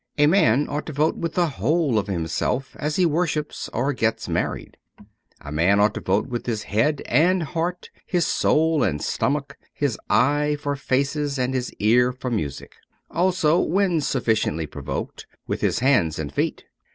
A man ought to vote with the whole of himself, as he worships or gets married. A man ought to vote with his head and heart, his soul and stomach, his eye for faces and his ear for music ; also (when sufficiently provoked) with his hands and feet.